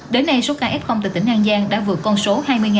đến nay số ca f tại tỉnh an giang đã vượt con số hai mươi ca